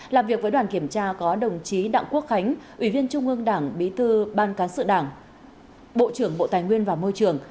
làm việc với đoàn kiểm tra có đồng chí đặng quốc khánh ủy viên trung ương đảng bí thư ban cán sự đảng bộ trưởng bộ tài nguyên và môi trường